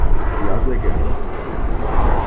Ja, sehr gerne.